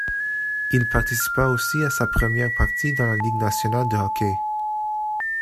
Il participa aussi à sa première partie dans la Ligue nationale de hockey.